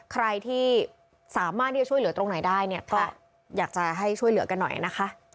ใครที่สามารถที่จะช่วยเหลือตรงไหนได้เนี่ยก็อยากจะให้ช่วยเหลือกันหน่อยนะคะ